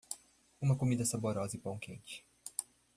Uma comida saborosa é o pão quente.